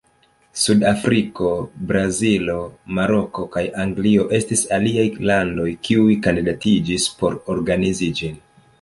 Sud-Afriko, Brazilo, Maroko, kaj Anglio estis aliaj landoj kiuj kandidatiĝis por organizi ĝin.